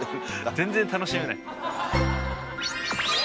全然楽しめない。